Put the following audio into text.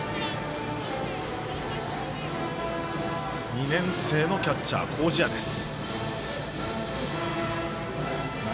２年生のキャッチャー、麹家です。